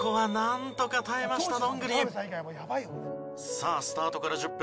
さあスタートから１０分。